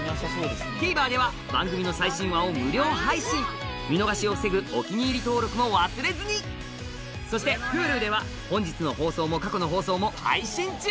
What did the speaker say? ＴＶｅｒでは番組の最新話を無料配信見逃しを防ぐ「お気に入り」登録も忘れずにそしてＨｕｌｕでは本日の放送も過去の放送も配信中！